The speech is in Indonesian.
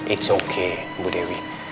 itu tak apa bu dewi